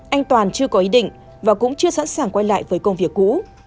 anh toàn chưa có ý định và cũng chưa sẵn sàng quay lại với công việc cũ